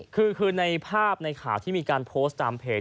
คือในภาพในข่าวที่มีการโพสต์ตามเพจ